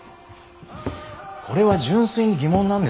これは純粋に疑問なんですがね